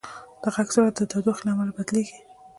د غږ سرعت د تودوخې له امله بدلېږي.